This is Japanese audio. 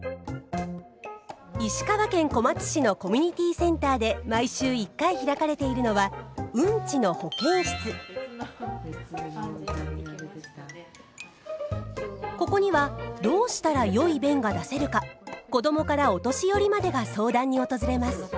石川県小松市のコミュニティセンターで毎週一回開かれているのはここにはどうしたらよい便が出せるか子どもからお年寄りまでが相談に訪れます。